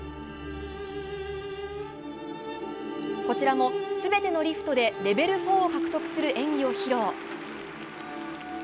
こちらも全てのリフトでレベル４を獲得する演技を披露。